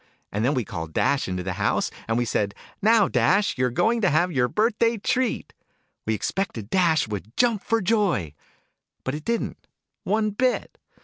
And then we called Dash into the house, and we said ' Now, Dash, you're going to have your birthday treat !' We expected Dash would jump for joy : but it didn't, one bit